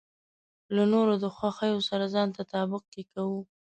له نورو د خوښو سره ځان تطابق کې کوو.